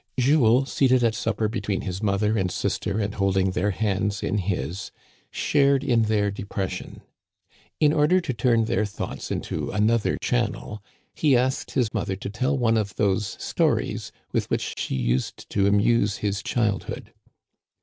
Jules, seated at supper between his mother and sis ter and holding their hands in his, shared in their de pression. In order to turn their thoughts into another channel, he asked his mother to tell one of those stories with which she used to amuse his childhood.